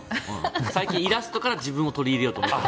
最近、イラストから自分に取り入れようと。